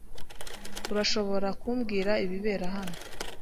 Urashobora kumbwira ibibera hano?